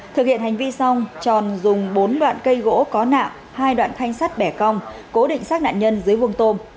thực hiện hành vi xong tròn dùng bốn đoạn cây gỗ có nặng hai đoạn thanh sắt bẻ cong cố định sát nạn nhân dưới vuông tôm